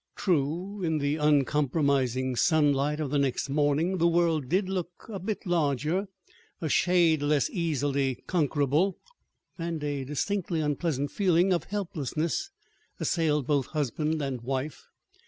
True, in the uncompromising sunlight of the next morning, the world did look a bit larger, a shade less easily conquerable; and a distinctly unpleasant feeling of helplessness assailed both husband and wife.